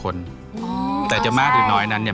ของคุณผู้ชายทุกคนอ๋อแต่จะมากหรือน้อยนั้นเนี้ย